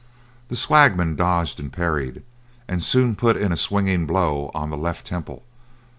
The swagman dodged and parried, and soon put in a swinging blow on the left temple.